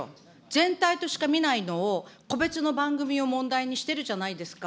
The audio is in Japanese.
全体としか見ないのを個別の番組を問題にしてるじゃないですか。